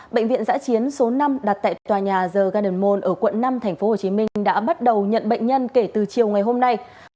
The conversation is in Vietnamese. bệnh viện giã chiến số năm đặt tại tòa nhà the garden mone ở quận năm tp hcm đã bắt đầu nhận bệnh nhân kể từ chiều ngày hôm nay